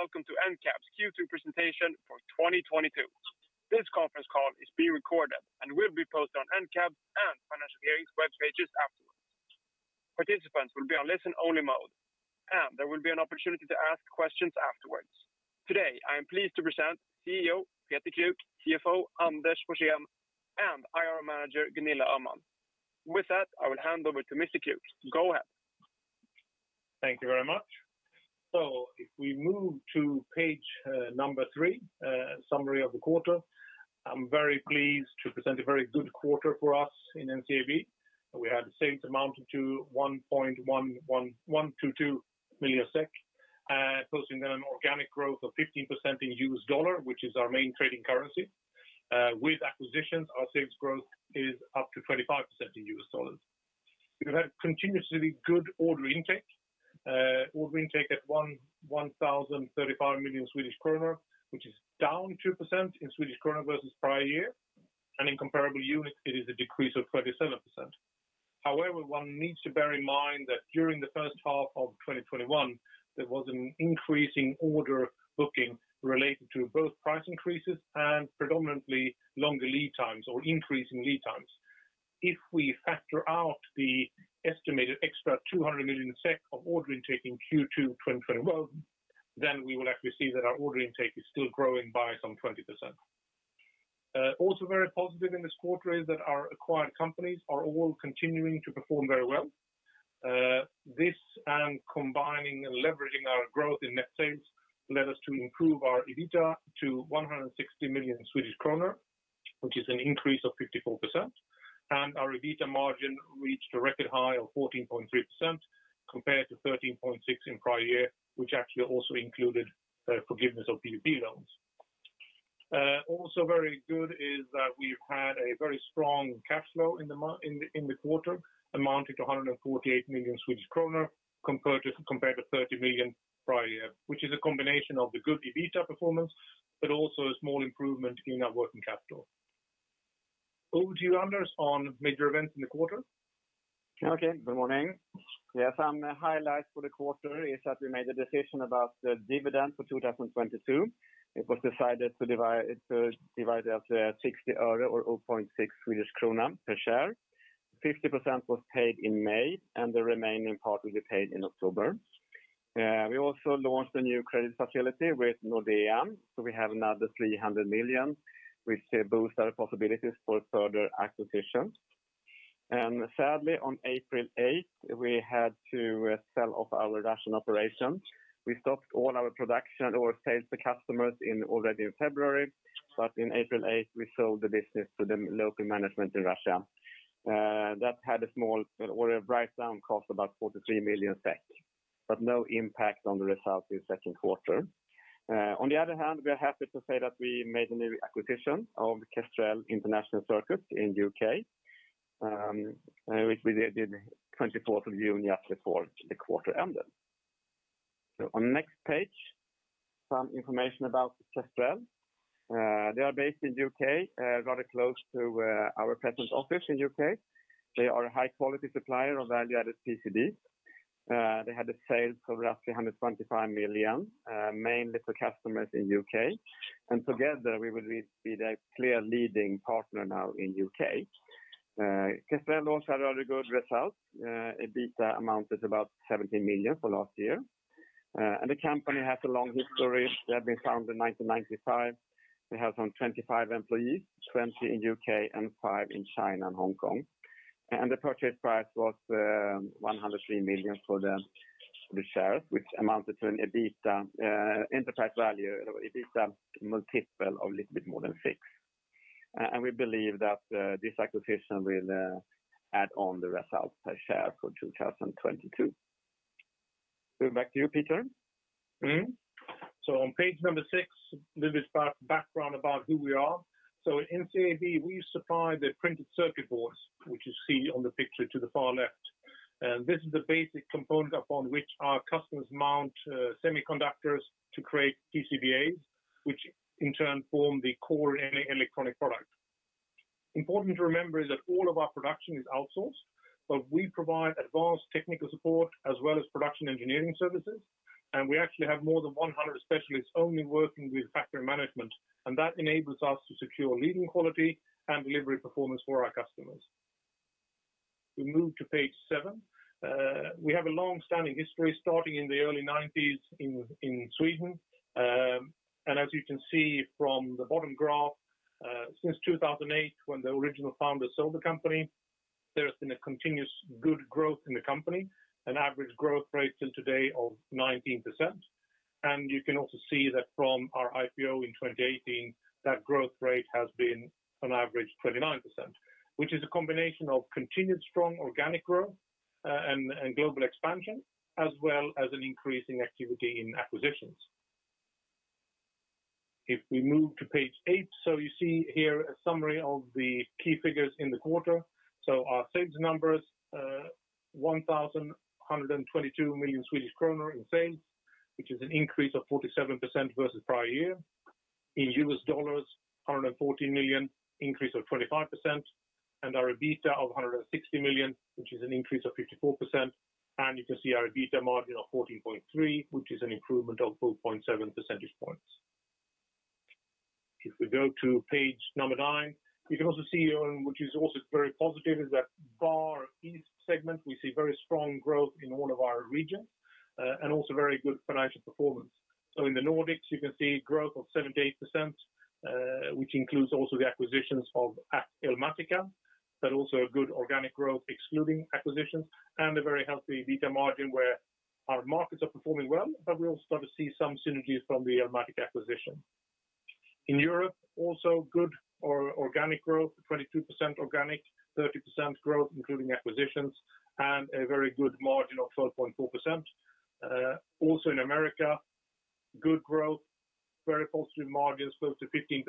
Welcome to NCAB's Q2 presentation for 2022. This conference call is being recorded and will be posted on NCAB and Financial Hearings' web pages afterwards. Participants will be on listen only mode, and there will be an opportunity to ask questions afterwards. Today, I am pleased to present CEO Peter Kruk, CFO Anders Forsén, and IR Manager Gunilla Öhman. With that, I will hand over to Mr. Kruk. Go ahead. Thank you very much. If we move to page number three, summary of the quarter, I'm very pleased to present a very good quarter for us in NCAB. We had the sales amounted to 1.1 million-2 million SEK, showing organic growth of 15% in U.S dollar, which is our main trading currency. With acquisitions, our sales growth is up to 25% in U.S dollars. We've had continuously good order intake. Order intake at 1,035 million Swedish kronor, which is down 2% in Swedish krona versus prior year. In comparable units, it is a decrease of 27%. However, one needs to bear in mind that during the first half of 2021, there was an increasing order booking related to both price increases and predominantly longer lead times or increase in lead times. If we factor out the estimated extra 200 million SEK of order intake in Q2 2021, then we will actually see that our order intake is still growing by some 20%. Also very positive in this quarter is that our acquired companies are all continuing to perform very well. This and combining and leveraging our growth in net sales led us to improve our EBITDA to 160 million Swedish kronor, which is an increase of 54%. Our EBITDA margin reached a record high of 14.3% compared to 13.6% in prior year, which actually also included forgiveness of PPP loans. Also very good is that we've had a very strong cash flow in the quarter, amounting to 148 million Swedish kronor compared to 30 million prior year, which is a combination of the good EBITDA performance, but also a small improvement in our working capital. Over to you, Anders, on major events in the quarter. Okay, good morning. We have some highlights for the quarter is that we made a decision about the dividend for 2022. It was decided to divide as SEK 0.06 per share. 50% was paid in May, and the remaining part will be paid in October. We also launched a new credit facility with Nordea, so we have another 300 million, which boost our possibilities for further acquisitions. Sadly, on April 8, we had to sell off our Russian operations. We stopped all our production or sales to customers already in February. In April 8, we sold the business to the local management in Russia. That had a small order write down, cost about 43 million SEK, but no impact on the result in Q2. On the other hand, we are happy to say that we made a new acquisition of Kestrel International Circuits Ltd in the U.K., which we did on June 24th, just before the quarter ended. On next page, some information about Kestrel. They are based in the U.K., rather close to our present office in the U.K. They are a high-quality supplier of value-added PCB. They had sales for roughly 125 million, mainly for customers in the U.K. Together, we will be the clear leading partner now in the U.K. Kestrel also had a rather good result. The EBITDA amount is about 17 million for last year. The company has a long history. They have been founded in 1995. They have some 25 employees, 20 in the U.K. and five in China and Hong Kong. The purchase price was 103 million for the shares, which amounted to an EBITDA enterprise value multiple of a little bit more than six. We believe that this acquisition will add on the result per share for 2022. Back to you, Peter. On page number six, a little bit background about who we are. In NCAB, we supply the printed circuit boards, which you see on the picture to the far left. This is the basic component upon which our customers mount semiconductors to create PCBAs, which in turn form the core of any electronic product. Important to remember is that all of our production is outsourced, but we provide advanced technical support as well as production engineering services. We actually have more than 100 specialists only working with factory management, and that enables us to secure leading quality and delivery performance for our customers. We move to page seven. We have a long-standing history starting in the early nineties in Sweden. As you can see from the bottom graph, since 2008, when the original founders sold the company, there has been a continuous good growth in the company, an average growth rate till today of 19%. You can also see that from our IPO in 2018, that growth rate has been on average 29%, which is a combination of continued strong organic growth, and global expansion, as well as an increase in activity in acquisitions. If we move to page 8. You see here a summary of the key figures in the quarter. Our sales numbers, 1,122 million Swedish kronor in sales, which is an increase of 47% versus prior year. In U.S dollars, $114 million, increase of 25% and our EBITDA of 160 million, which is an increase of 54%. You can see our EBITDA margin of 14.3%, which is an improvement of 4.7 percentage points. If we go to page nine, you can also see here, which is also very positive, is that Bare Board segment, we see very strong growth in all of our regions, and also very good financial performance. In the Nordics, you can see growth of 78%, which includes also the acquisitions of Elmatica, but also a good organic growth excluding acquisitions and a very healthy EBITA margin where our markets are performing well. We also start to see some synergies from the Elmatica acquisition. In Europe, also good organic growth, 22% organic, 30% growth, including acquisitions, and a very good margin of 4.4%. Also in America, good growth, very positive margins, close to 15%.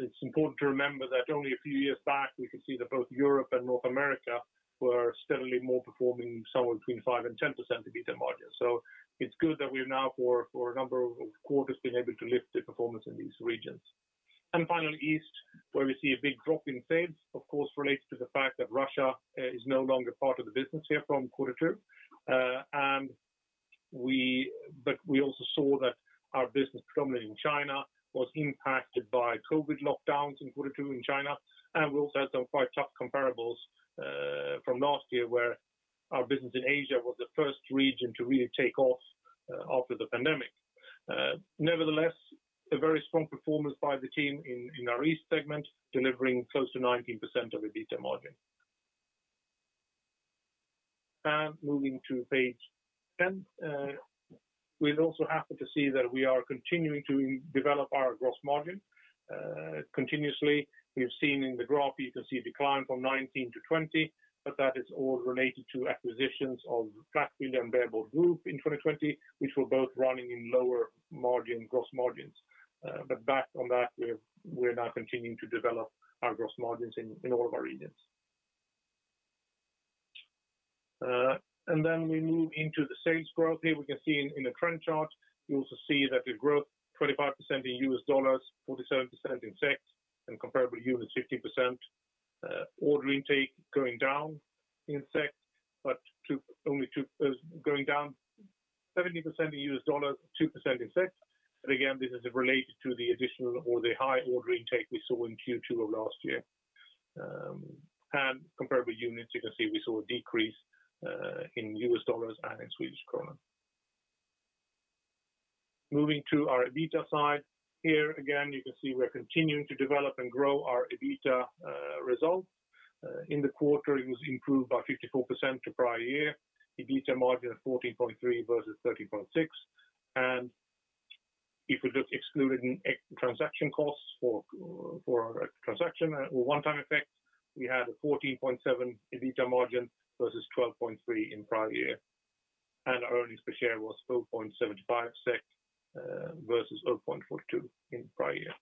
It's important to remember that only a few years back, we could see that both Europe and North America were steadily more performing somewhere between 5% and 10% EBITDA margin. It's good that we're now for a number of quarters being able to lift the performance in these regions. Finally, East, where we see a big drop in sales, of course, relates to the fact that Russia is no longer part of the business here from quarter two. But we also saw that our business, predominantly in China, was impacted by COVID lockdowns in quarter two in China. We also had some quite tough comparables from last year where our business in Asia was the first region to really take off after the pandemic. Nevertheless, a very strong performance by the team in our East segment, delivering close to 19% EBITDA margin. Moving to page 10, we're also happy to see that we are continuing to develop our gross margin continuously. We've seen in the graph, you can see a decline from 2019 to 2020, but that is all related to acquisitions of Flatfield and Bare Board Group in 2020, which were both running lower-margin gross margins. Back on that, we're now continuing to develop our gross margins in all of our regions. Then we move into the sales growth. Here we can see in the trend chart, you also see that the growth 25% in U.S dollars, 47% in SEK, and comparable units 15%, order intake going down 70% in US dollars, 2% in SEK. Again, this is related to the additional or the high order intake we saw in Q2 of last year. Comparable units, you can see we saw a decrease in U.S dollars and in Swedish krona. Moving to our EBITDA side. Here, again, you can see we're continuing to develop and grow our EBITDA results. In the quarter, it was improved by 54% to prior year. EBITDA margin of 14.3% versus 13.6%. If we just excluded ex-transaction costs for our transaction one-time effect, we had a 14.7% EBITDA margin versus 12.3% in prior year. Our earnings per share was 0.75 SEK versus 0.42 in prior year.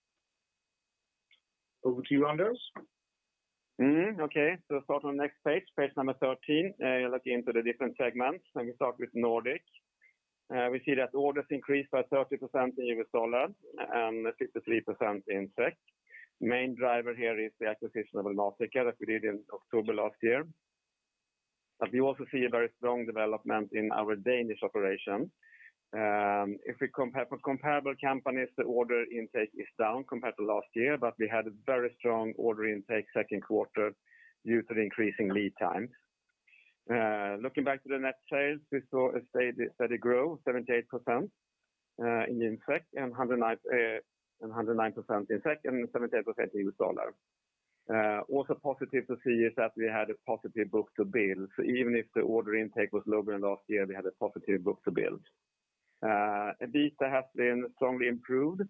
Over to you, Anders. Okay. Start on the next page 13. Looking into the different segments. Let me start with Nordic. We see that orders increased by 30% in U.S dollar and 53% in SEK. Main driver here is the acquisition of Elmatica that we did in October last year. We also see a very strong development in our Danish operation. If we compare for comparable companies, the order intake is down compared to last year, but we had a very strong order intake Q2 due to the increasing lead times. Looking back to the net sales, we saw a steady growth 78% in U.S dollar and 109% in SEK. Also positive to see is that we had a positive book-to-bill. Even if the order intake was lower than last year, we had a positive book-to-bill. EBITDA has been strongly improved.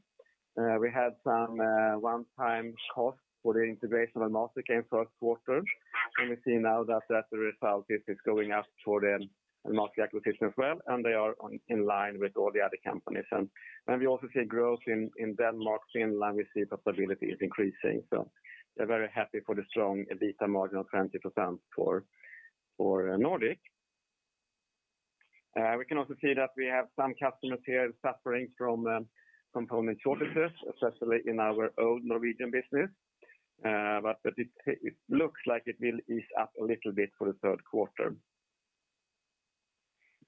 We had some one-time costs for the integration of Elmatica in Q1. We see now that that's the result, this is going up for the Elmatica acquisition as well, and they are in line with all the other companies. We also see growth in Denmark, Finland; we see profitability is increasing. We're very happy for the strong EBITDA margin of 20% for Nordic. We can also see that we have some customers here suffering from component shortages, especially in our own Norwegian business. It looks like it will ease up a little bit for the Q3.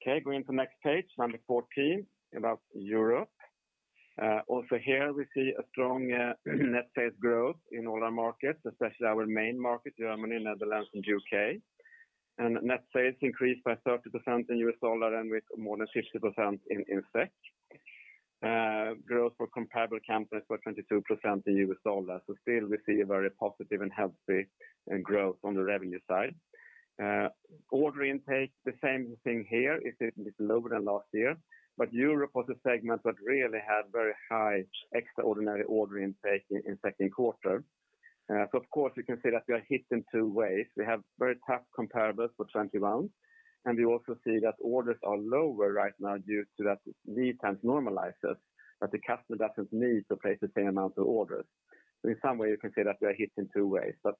Okay, going to the next page, number 14, about Europe. Also here we see a strong net sales growth in all our markets, especially our main markets, Germany, Netherlands, and U.K. Net sales increased by 30% in USD and with more than 50% in SEK. Growth for comparable companies was 22% in USD. Still we see a very positive and healthy growth on the revenue side. Order intake, the same thing here. It is lower than last year, but Europe was a segment that really had very high extraordinary order intake in Q2. Of course, we can say that we are hit in two ways. We have very tough comparables for 2021, and we also see that orders are lower right now due to that lead times normalizes, that the customer doesn't need to place the same amount of orders. In some way, you can say that we are hit in two ways, but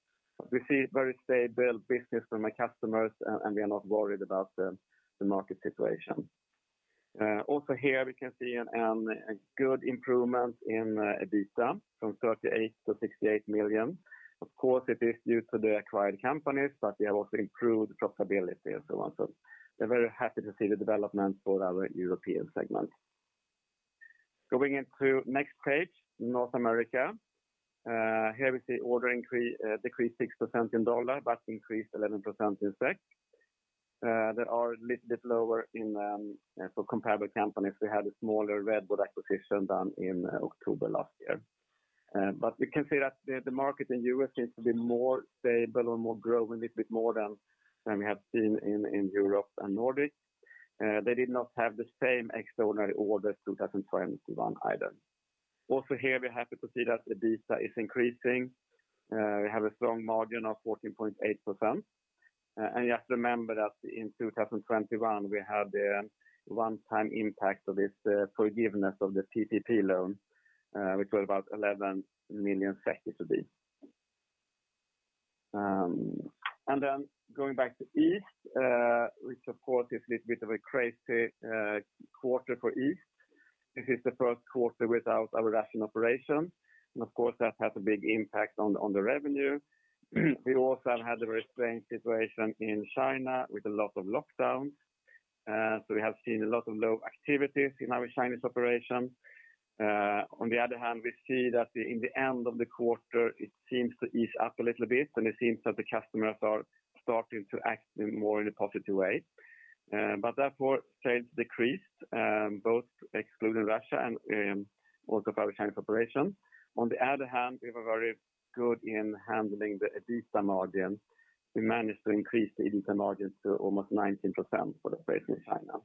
we see very stable business from our customers and we are not worried about the market situation. Also here we can see a good improvement in EBITDA from 38 million-68 million. Of course, it is due to the acquired companies, but we have also improved profitability and so on. We're very happy to see the development for our European segment. Going into next page, North America. Here we see order intake decreased 6% in dollar, but increased 11% in SEK. They are a little bit lower for comparable companies. We had a smaller RedBoard acquisition done in October last year. We can see that the market in U.S. seems to be more stable and more growing a little bit more than we have seen in Europe and Nordic. They did not have the same extraordinary orders in 2021 either. Also here, we're happy to see that the EBITDA is increasing. We have a strong margin of 14.8%. You have to remember that in 2021, we had a one-time impact of this forgiveness of the PPP loan, which was about 11 million SEK, it will be. Going back to East, which of course is little bit of a crazy quarter for East. This is the Q1 without our Russian operation. Of course, that has a big impact on the revenue. We also have had a very strange situation in China with a lot of lockdowns. We have seen a lot of slow activities in our Chinese operation. On the other hand, we see that in the end of the quarter, it seems to ease up a little bit, and it seems that the customers are starting to act in a more positive way. Therefore, sales decreased, both excluding Russia and also our Chinese operation. On the other hand, we were very good in handling the EBITDA margin. We managed to increase the EBITDA margin to almost 19% for the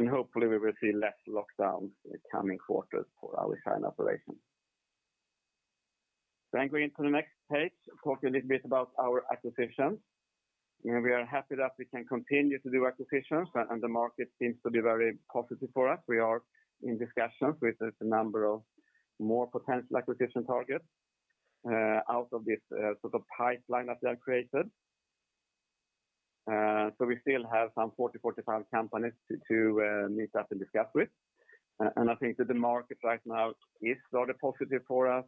sales in China. Hopefully, we will see less lockdowns in the coming quarters for our China operation. Going to the next page, talk a little bit about our acquisitions. You know, we are happy that we can continue to do acquisitions and the market seems to be very positive for us. We are in discussions with a number of more potential acquisition targets out of this sort of pipeline that we have created. We still have some 40-45 companies to meet up and discuss with. I think that the market right now is rather positive for us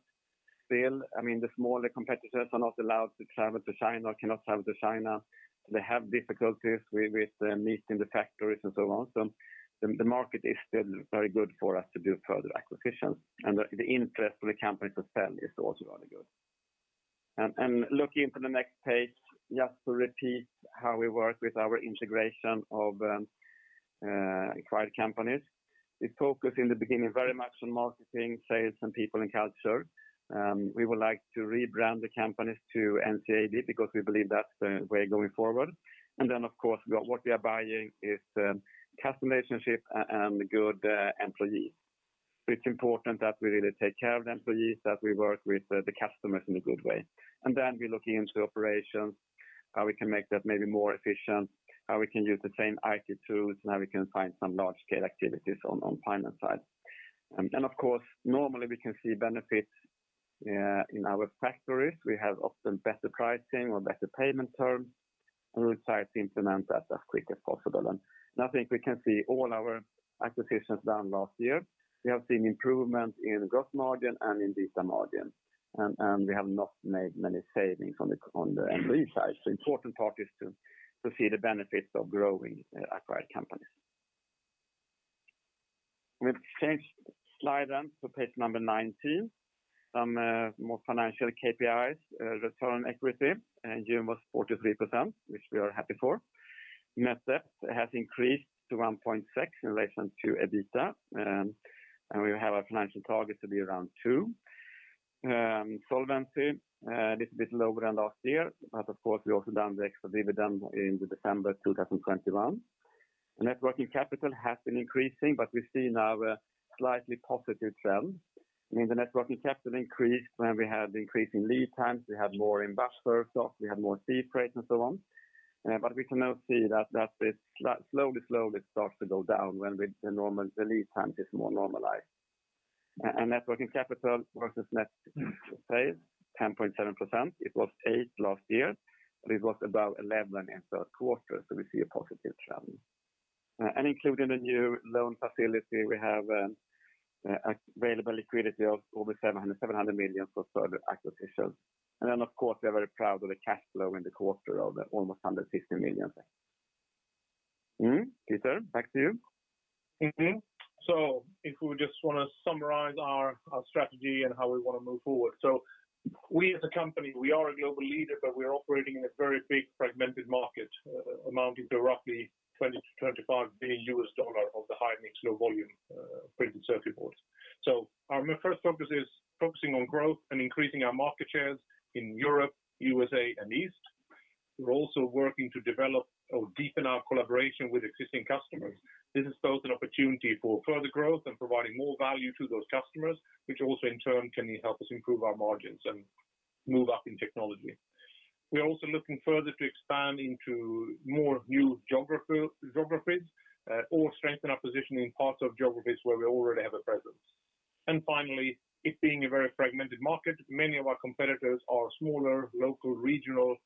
still. I mean, the smaller competitors are not allowed to travel to China, or cannot travel to China. They have difficulties with meeting the factories and so on. The market is still very good for us to do further acquisitions. The interest for the companies to sell is also rather good. Looking to the next page, just to repeat how we work with our integration of acquired companies. We focus in the beginning very much on marketing, sales, and people and culture. We would like to rebrand the companies to NCAB because we believe that's the way going forward. Of course, what we are buying is customer relationship and good employees. It's important that we really take care of the employees, that we work with the customers in a good way. We're looking into operations, how we can make that maybe more efficient, how we can use the same IT tools, and how we can find some large-scale activities on finance side. Of course, normally we can see benefits in our factories. We have often better pricing or better payment terms, and we try to implement that as quick as possible. I think we can see all our acquisitions done last year. We have seen improvement in gross margin and in EBITDA margin. We have not made many savings on the employee side. Important part is to see the benefits of growing acquired companies. We change slide then to page number 19. Some more financial KPIs, return on equity, and June was 43%, which we are happy for. Net debt has increased to 1.6 in relation to EBITDA, and we have our financial target to be around two. Solvency little bit lower than last year, but of course, we also done the extra dividend in December 2021. The net working capital has been increasing, but we've seen our slightly positive trend. I mean, the net working capital increased when we had increase in lead times, we had more in buffer stock, we had more sea freight, and so on. We can now see that it slowly starts to go down when the lead time is more normalized. Net working capital versus net sales, 10.7%. It was 8% last year, but it was above 11% in Q3, so we see a positive trend. Including the new loan facility, we have available liquidity of over 700 million for further acquisitions. Of course, we are very proud of the cash flow in the quarter of almost 150 million. Peter, back to you. Mm-hmm. If we just want to summarize our strategy and how we want to move forward. We as a company, we are a global leader, but we are operating in a very big fragmented market amounting to roughly $20 billion-$25 billion of the high-mix, low-volume printed circuit boards. Our first focus is focusing on growth and increasing our market shares in Europe, USA, and East. We're also working to develop or deepen our collaboration with existing customers. This is both an opportunity for further growth and providing more value to those customers, which also in turn can help us improve our margins and move up in technology. We are also looking further to expand into more new geographies or strengthen our position in parts of geographies where we already have a presence. Finally, it being a very fragmented market, many of our competitors are smaller, local, regional,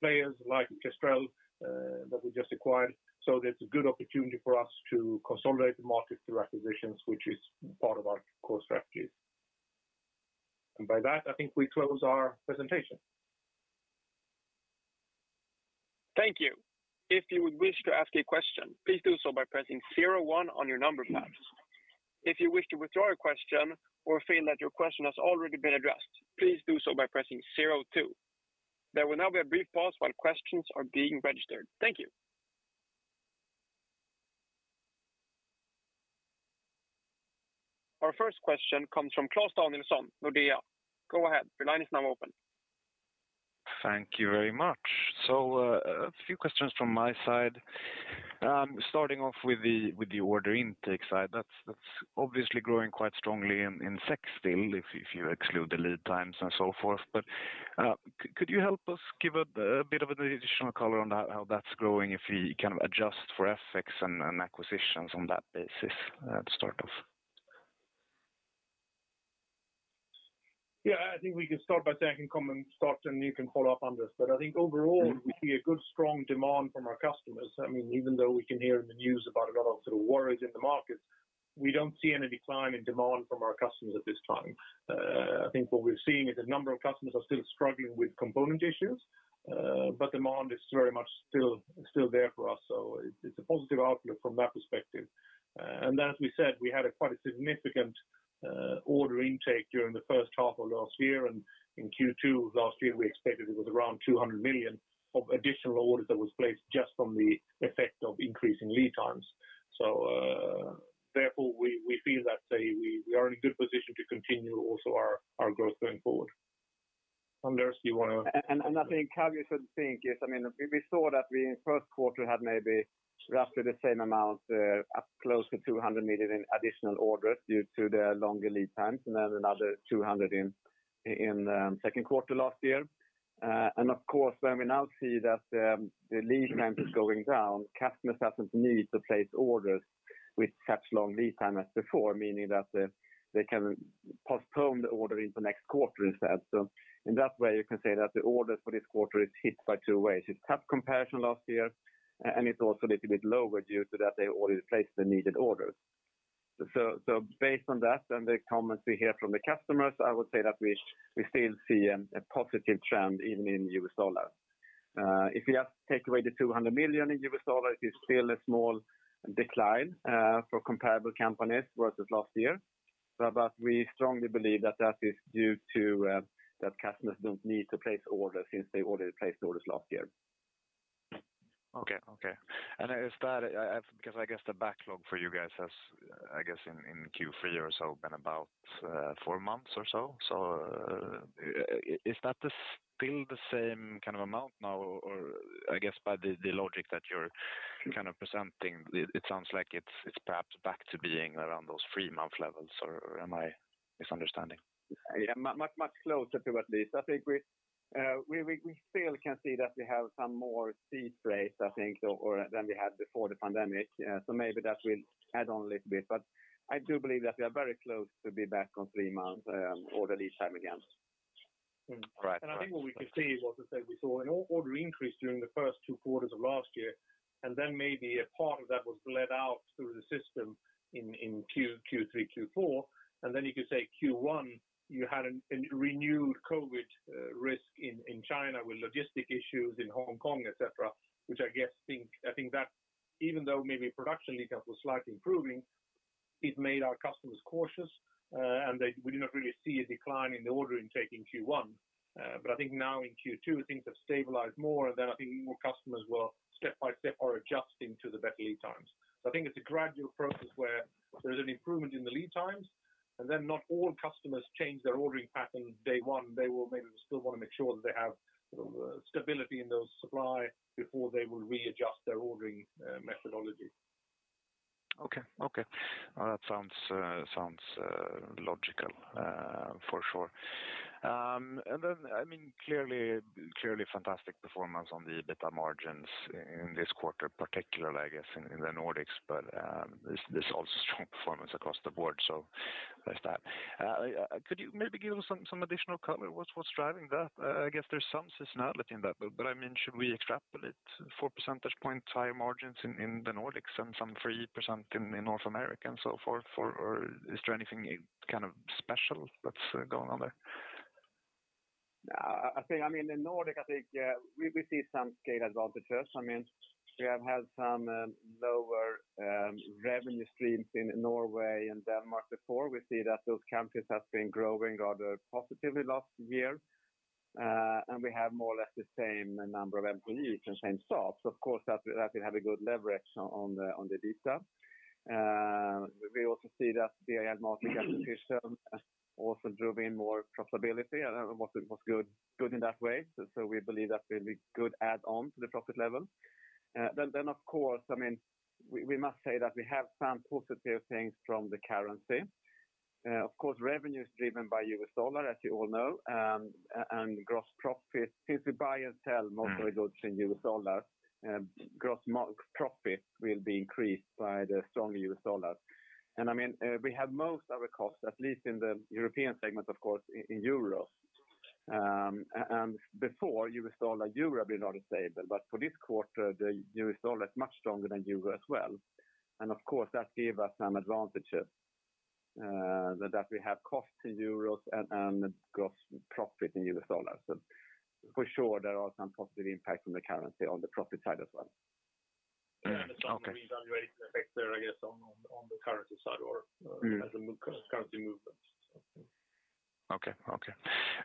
players like Kestrel, that we just acquired. There's a good opportunity for us to consolidate the market through acquisitions, which is part of our core strategies. By that, I think we close our presentation. Thank you. If you would wish to ask a question, please do so by pressing zero one on your number pads. If you wish to withdraw a question or feel that your question has already been addressed, please do so by pressing zero two. There will now be a brief pause while questions are being registered. Thank you. Our first question comes from Frank Vang-Jensen, Nordea. Go ahead. Your line is now open. Thank you very much. A few questions from my side. Starting off with the order intake side. That's obviously growing quite strongly in SEK still if you exclude the lead times and so forth. Could you help us give a bit of an additional color on how that's growing if we kind of adjust for FX and acquisitions on that basis, to start off? Yeah, I think we can start by saying I can come and start, and you can follow up, Anders. I think overall we see a good strong demand from our customers. I mean, even though we can hear in the news about a lot of sort of worries in the market, we don't see any decline in demand from our customers at this time. I think what we're seeing is a number of customers are still struggling with component issues, but demand is very much still there for us. It's a positive outlook from that perspective. As we said, we had quite a significant order intake during the first half of last year, and in Q2 of last year we expected it was around 200 million of additional orders that was placed just from the effect of increasing lead times. Therefore we feel that, say, we are in a good position to continue also our growth going forward. Anders, do you wanna... I think how you should think is, I mean, we saw that we in Q1 had maybe roughly the same amount, close to 200 million in additional orders due to the longer lead times, and then another 200 million in Q2 last year. Of course, when we now see that the lead time is going down, customers doesn't need to place orders with such long lead time as before, meaning that they can postpone the order into next quarter instead. In that way you can say that the orders for this quarter is hit by two ways. It's tough comparison last year, and it's also a little bit lower due to that they already placed the needed orders. Based on that and the comments we hear from the customers, I would say that we still see a positive trend even in U.S. dollar. If you have to take away the $200 million in U.S. dollar, it is still a small decline for comparable companies versus last year. We strongly believe that is due to the fact that customers don't need to place orders since they already placed orders last year. Is that because I guess the backlog for you guys has, I guess in Q3 or so, been about 4 months or so? Is that still the same kind of amount now? Or I guess by the logic that you're kind of presenting, it sounds like it's perhaps back to being around those three-month levels, or am I misunderstanding? Yeah. Much closer to at least. I think we still can see that we have some more sea freight, I think, than we had before the pandemic. Maybe that will add on a little bit, but I do believe that we are very close to be back on 3 months order lead time again. Right. Right. I think what we could see was that we saw an order increase during the first two quarters of last year, and then maybe a part of that was bled out through the system in Q3, Q4. You could say Q1 you had a renewed COVID risk in China with logistics issues in Hong Kong, et cetera, which I guess I think that even though maybe production lead times was slightly improving, it made our customers cautious, and we did not really see a decline in the order intake in Q1. I think now in Q2 things have stabilized more, and then I think more customers will step by step are adjusting to the better lead times. I think it's a gradual process where there is an improvement in the lead times, and then not all customers change their ordering pattern day one. They will maybe still want to make sure that they have sort of stability in those supply before they will readjust their ordering, methodology. Okay. Well, that sounds logical for sure. I mean, clearly fantastic performance on the EBITDA margins in this quarter, particularly I guess in the Nordics. There's also strong performance across the board. There's that. Could you maybe give us some additional color on what's driving that? I guess there's some seasonality in that, but I mean, should we extrapolate four percentage points higher margins in the Nordics and some 3% in North America and so forth, or is there anything kind of special that's going on there? I think, I mean, in Nordic, I think, we see some scale advantages. I mean, we have had some lower revenue streams in Norway and Denmark before. We see that those countries have been growing rather positively last year. We have more or less the same number of employees and same sales. That will have a good leverage on the EBITDA. We also see that the Elmatica acquisition also drove in more profitability and was good in that way. We believe that will be good add-on to the profit level. Of course, I mean, we must say that we have some positive things from the currency. Of course, revenue is driven by U.S. dollar, as you all know, and gross profit. Since we buy and sell most of our goods in U.S. dollar, gross profit margin will be increased by the strong U.S. dollar. I mean, we have most of our costs, at least in the European segment, of course, in euro. Before U.S. dollar, euro have been not stable. For this quarter, the U.S. dollar is much stronger than euro as well. Of course, that give us some advantages, that we have costs in euros and gross profit in U.S. dollars. For sure there are some positive impact from the currency on the profit side as well. Okay. Some revaluation effects there, I guess, on the currency side or. Mm-hmm. As the currency movements. Yeah.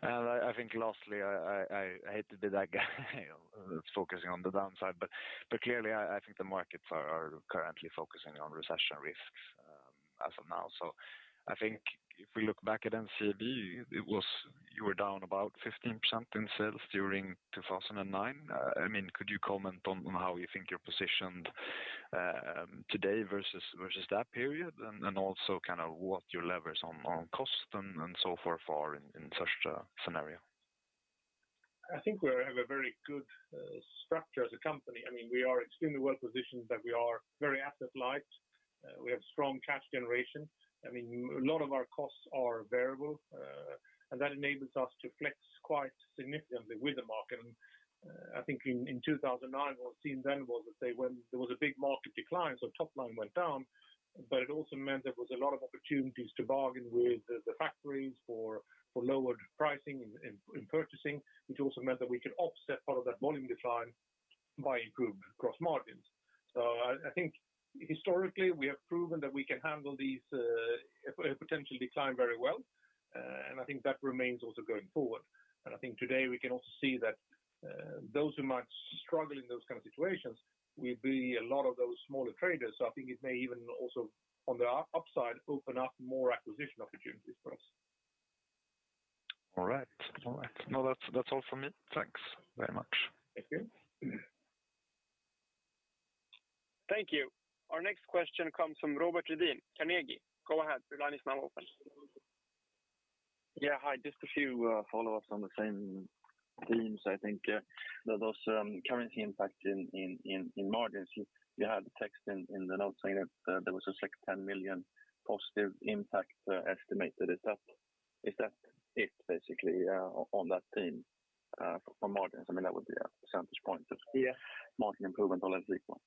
I think lastly, I hate to be that guy focusing on the downside, but clearly I think the markets are currently focusing on recession risks as of now. I think if we look back at NCAB, it was. You were down about 15% in sales during 2009. I mean, could you comment on how you think you're positioned today versus that period? Also kind of what your levers on cost and so forth in such a scenario. I think we have a very good structure as a company. I mean, we are extremely well positioned that we are very asset light. We have strong cash generation. I mean, a lot of our costs are variable, and that enables us to flex quite significantly with the market. I think in 2009, what we've seen then was that when there was a big market decline, so top line went down, but it also meant there was a lot of opportunities to bargain with the factories for lowered pricing in purchasing, which also meant that we could offset part of that volume decline by improvement across margins. I think historically, we have proven that we can handle these potential decline very well. I think that remains also going forward. I think today we can also see that, those who might struggle in those kind of situations will be a lot of those smaller traders. I think it may even also, on the upside, open up more acquisition opportunities for us. All right. No, that's all for me. Thanks very much. Thank you. Thank you. Our next question comes from Robert Lidén, Carnegie. Go ahead, your line is now open. Yeah, hi, just a few follow-ups on the same themes, I think. Those currency impact on margins. You had a text in the notes saying that there was a 6 million-10 million positive impact estimated. Is that it basically on that theme for margins? I mean, that would be a percentage point. Yeah. margin improvement or less equal. Yeah.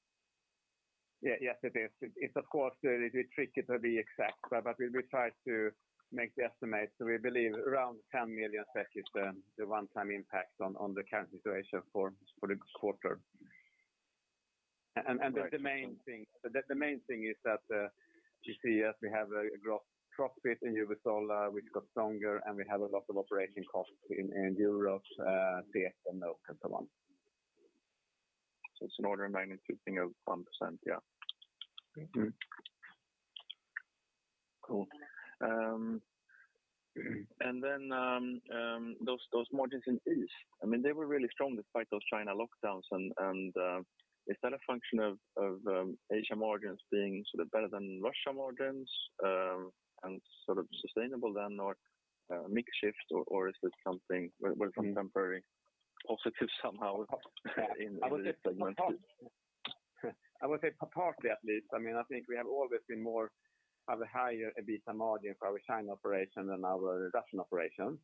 Yes, it is. It's of course, it'd be tricky to be exact, but we tried to make the estimate. We believe around 10 million is the one-time impact on the currency situation for the quarter. Great. The main thing is that you see as we have a gross profit in U.S. dollar which got stronger and we have a lot of operating costs in euros, SEK and so on. It's an order of magnitude, think of 1%. Yeah. Mm-hmm. Cool. Those margins in East, I mean, they were really strong despite those China lockdowns. Is that a function of Asia margins being sort of better than Russia margins and sort of sustainable then or mix shift or is it something very contemporary positive somehow in the segment? I would say partly at least. I mean, I think we have always been more of a higher EBITDA margin for our China operation than our Russian operations.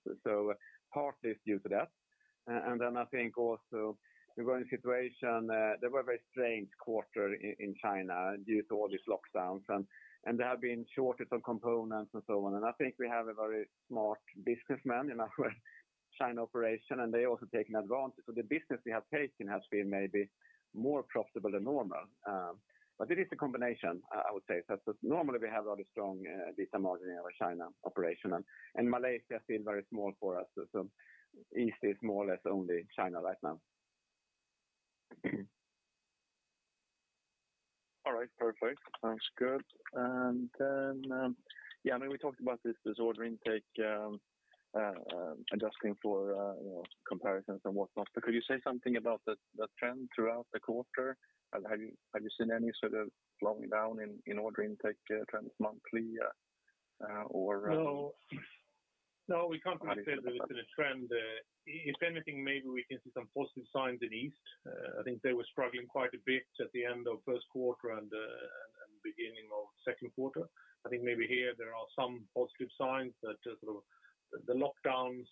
Partly it's due to that. I think also we were in a situation, there were a very strange quarter in China due to all these lockdowns and there have been shortage of components and so on. I think we have a very smart businessman in our China operation, and they also taken advantage. The business we have taken has been maybe more profitable than normal. It is a combination I would say. Normally we have a very strong EBITDA margin in our China operation and Malaysia is still very small for us. East is more or less only China right now. All right, perfect. Sounds good. Then, I mean, we talked about this order intake, adjusting for, you know, comparisons and whatnot. Could you say something about the trend throughout the quarter? Have you seen any sort of slowing down in order intake trends monthly, or No. No, we can't really say that it's been a trend. If anything, maybe we can see some positive signs in East. I think they were struggling quite a bit at the end of Q1 and beginning of Q2. I think maybe here there are some positive signs that sort of the lockdowns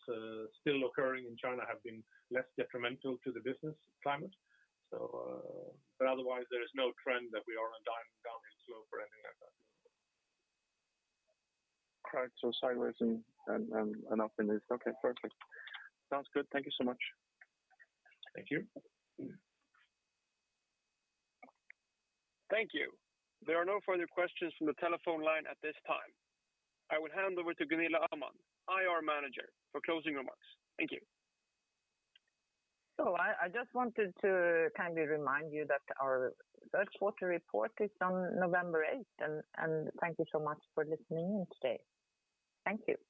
still occurring in China have been less detrimental to the business climate. Otherwise, there is no trend that we are on a dying downward slope or anything like that. Right. Sideways and an up in East. Okay, perfect. Sounds good. Thank you so much. Thank you. Thank you. There are no further questions from the telephone line at this time. I will hand over to Gunilla Öhman, IR Manager, for closing remarks. Thank you. I just wanted to kindly remind you that our Q3 report is on November eighth, and thank you so much for listening in today. Thank you.